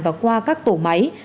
và qua các tổ máy